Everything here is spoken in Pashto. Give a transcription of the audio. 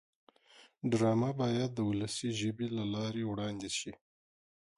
ډرامه باید د ولسي ژبې له لارې وړاندې شي